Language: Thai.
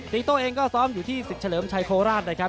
ตีโต้เองก็ซ้อมอยู่ที่สิทธิเฉลิมชัยโคราชนะครับ